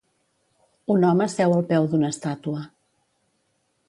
Un home seu al peu d'una estàtua.